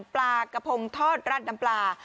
ปลากระพงทอดราดน้ำปลา